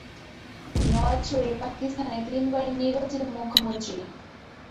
নওয়াজ শরীফ পাকিস্তানের তিনবারের নির্বাচিত মুখ্যমন্ত্রী।